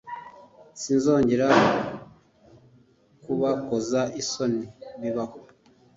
sinzongera kubakoza isoni bibaho